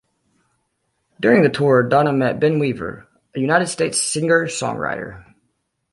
During the tour Donna met Ben Weaver, a United States singer-songwriter.